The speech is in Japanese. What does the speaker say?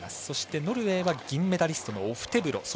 そして、ノルウェーは銀メダリストのオフテブロ。